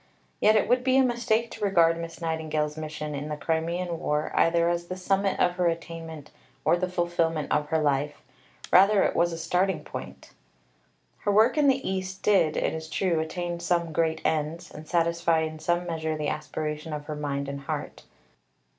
Yet it would be a mistake to regard Miss Nightingale's mission in the Crimean War either as the summit of her attainment or the fulfilment of her life. Rather was it a starting point. Above, pp. 53, 64. Her work in the East did, it is true, attain some great ends, and satisfy in some measure the aspiration of her mind and heart.